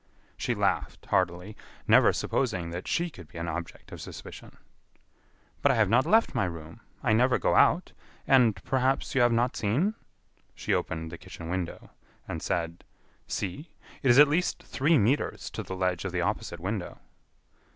She laughed heartily, never supposing that she could be an object of suspicion. "But I have not left my room. I never go out. And, perhaps, you have not seen?" She opened the kitchen window, and said: "See, it is at least three metres to the ledge of the opposite window."